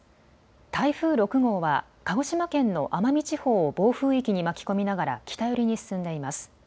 台風６号は鹿児島県の奄美地方を暴風域に巻き込みながら北寄りに進んでいます。